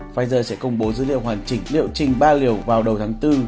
pfizer sẽ công bố dữ liệu hoàn chỉnh liệu trình ba liều vào đầu tháng bốn